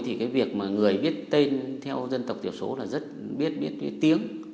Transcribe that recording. thì cái việc mà người biết tên theo dân tộc thiểu số là rất biết tiếng